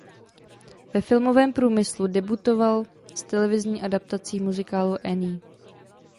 Ve filmovém průmyslu debutoval s televizní adaptací muzikálu "Annie".